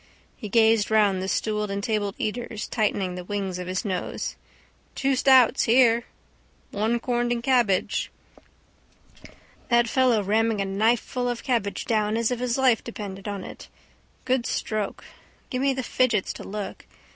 He gazed round the stooled and tabled eaters, tightening the wings of his nose. —Two stouts here. —One corned and cabbage. That fellow ramming a knifeful of cabbage down as if his life depended on it. Good stroke. Give me the fidgets to look.